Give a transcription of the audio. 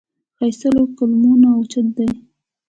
ښایست له کلمو نه اوچت دی